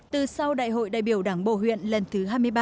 từ sau đại hội đại biểu đảng bộ huyện lần thứ hai mươi ba